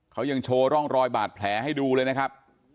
เขายังโชว์ร่องรอยบาดแผลให้ดูเลยนะครับ